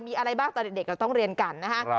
มีอะไรบ้างตอนเด็กเราต้องเรียนกันนะฮะ